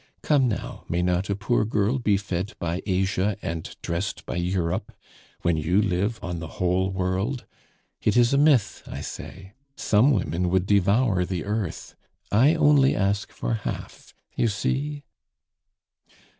"Come, now, may not a poor girl be fed by Asia and dressed by Europe when you live on the whole world? It is a myth, I say; some women would devour the earth, I only ask for half. You see?"